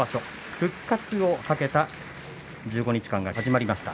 復活をかけた１５日間が始まりました。